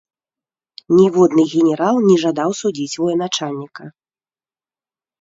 Ніводны генерал не жадаў судзіць военачальніка.